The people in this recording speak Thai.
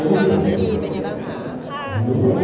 บอสกีว่าอย่างไรคะ